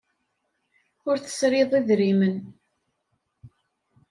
Ur tesriḍ idrimen.